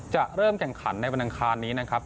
จะเริ่มแข่งขันในวันอังคารนี้นะครับ